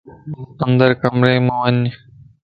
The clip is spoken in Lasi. اندر ڪمريءَ مَ وڃ